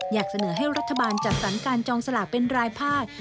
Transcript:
อยากเสนอให้รัฐบาลจัดสรรการจองสลากเป็นรายภาค